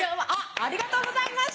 ありがとうございます！